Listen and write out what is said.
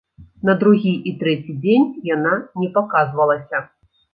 На другі і трэці дзень яна не паказвалася.